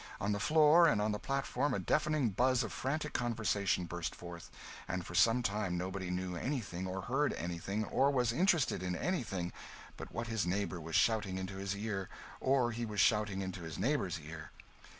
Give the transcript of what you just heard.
On the floor and on the platform a deafening buzz of frantic conversation burst forth, and for some time nobody knew anything or heard anything or was interested in anything but what his neighbour was shouting into his ear, or he was shouting into his neighbour's ear.